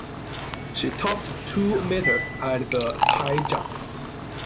She topped two meters at the high jump.